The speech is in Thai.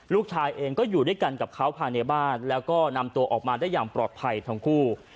ลูกชายเองก็อยู่ด้วยกันกับเขาภายในบ้านแล้วก็นำตัวออกมาได้อย่างปลอดภัยทั้งคู่